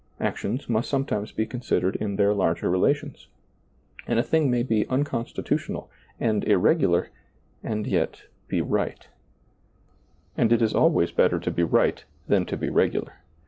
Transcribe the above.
Actions must sometimes be considered in their larger relations, and a thing may be unconstitutional and irregular and yet be right And it is always better to be right than to be regular.